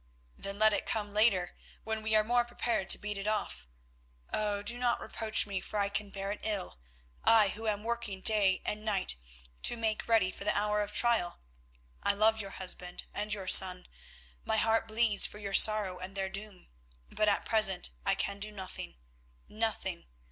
"Then let it come later, when we are more prepared to beat it off. Oh! do not reproach me, for I can bear it ill, I who am working day and night to make ready for the hour of trial. I love your husband and your son, my heart bleeds for your sorrow and their doom, but at present I can do nothing, nothing.